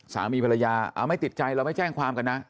สามีภรรยาไม่ติดใจเราไม่แจ้งความกันนะ